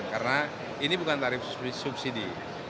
karena ini bukan tarif subsidi